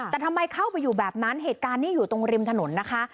แต่ทำไมเข้าไปอยู่แบบนั้นเหตุการณ์นี้อยู่ตรงริมถนนนะคะ